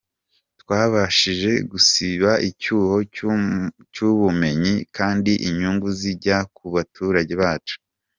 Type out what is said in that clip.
Twabashije gusiba icyuho cy’ubumenyi kandi inyungu zijya ku baturage bacu.